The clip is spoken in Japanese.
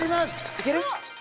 いける？